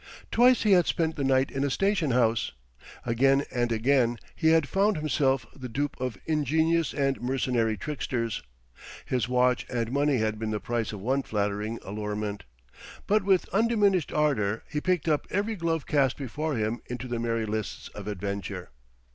Twice he had spent the night in a station house; again and again he had found himself the dupe of ingenious and mercenary tricksters; his watch and money had been the price of one flattering allurement. But with undiminished ardour he picked up every glove cast before him into the merry lists of adventure.